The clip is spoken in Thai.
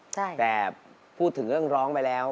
แต่พูดถึงเรื่องร้องไปแล้ว